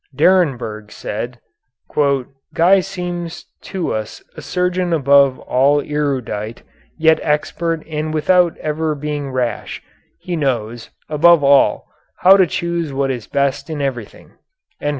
'" Daremberg said, "Guy seems to us a surgeon above all erudite, yet expert and without ever being rash. He knows, above all, how to choose what is best in everything."